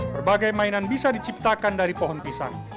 berbagai mainan bisa diciptakan dari pohon pisang